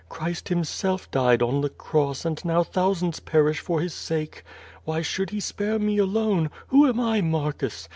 Christ himself died on the cross and now thou sands perish for his sake. Wliy should he spare me aloqe? Who am I, Marcus?